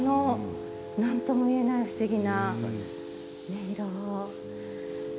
なんともいえない不思議な音色。